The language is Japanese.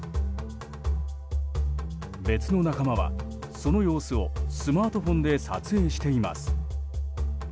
別の仲間は、その様子をスマートフォンで撮影しています。